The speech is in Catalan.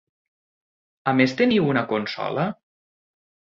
A més teniu una consola?